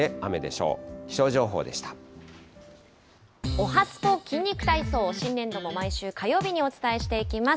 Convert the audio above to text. おはＳＰＯ筋肉体操、新年度も毎週火曜日にお伝えしていきます。